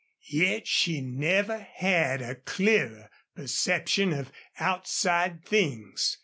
Yet she never had a clearer perception of outside things.